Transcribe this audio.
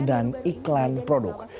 dan iklan produk